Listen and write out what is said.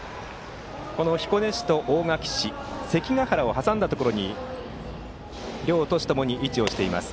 この彦根市と大垣市関が原を挟んだところに両都市ともに位置しています。